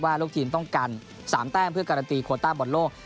ลูกทีมต้องกัน๓แต้มเพื่อการันตีโคต้าบอลโลก